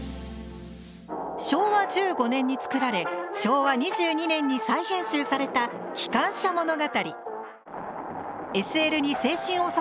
昭和１５年に作られ昭和２２年に再編集された「機関車物語」。